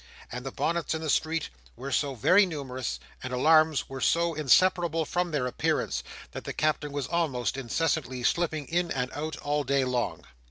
And the bonnets in the street were so very numerous, and alarms were so inseparable from their appearance, that the Captain was almost incessantly slipping in and out all day long.